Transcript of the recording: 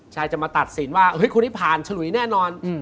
ชายจะมาตัดสินว่าคุณนี่ผ่านชะลุนี้แน่นอน